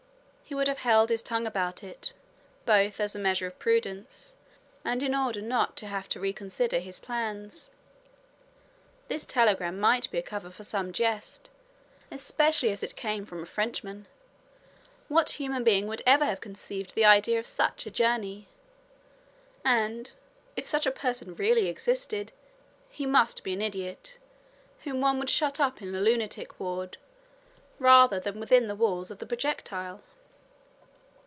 He would have held his tongue about it, both as a measure of prudence, and in order not to have to reconsider his plans. This telegram might be a cover for some jest, especially as it came from a Frenchman. What human being would ever have conceived the idea of such a journey? and, if such a person really existed, he must be an idiot, whom one would shut up in a lunatic ward, rather than within the walls of the projectile.